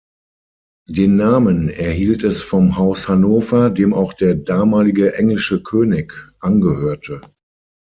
Den Namen erhielt es vom Haus Hannover, dem auch der damalige englische König angehörte.